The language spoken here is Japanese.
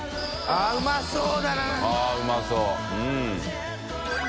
あっうまそう。